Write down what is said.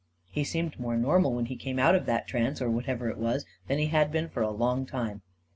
44 He seemed more normal when he came out of that trance — or whatever it was — than he'd been for a long time."